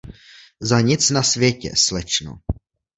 Za nic na světě, slečno.